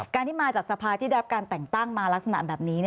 ที่มาจากสภาที่ได้รับการแต่งตั้งมาลักษณะแบบนี้